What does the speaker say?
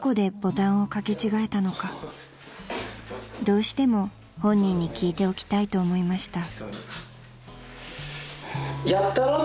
［どうしても本人に聞いておきたいと思いました］